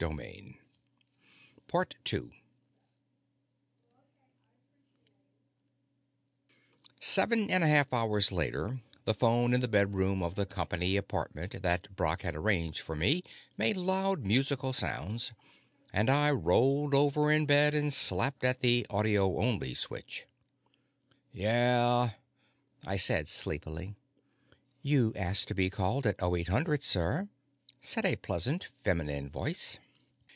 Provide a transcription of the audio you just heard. Seven and a half hours later, the phone in the bedroom of the company apartment that Brock had arranged for me made loud musical sounds, and I rolled over in bed and slapped at the "audio only" switch. "Yeah?" I said sleepily. "You asked to be called at oh eight hundred, sir." said a pleasant feminine voice.